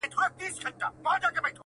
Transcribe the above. خو ښکاره ژوند بيا عادي روان ښکاري له لرې,